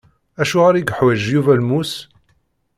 Acuɣer i yeḥwaǧ Yuba lmus?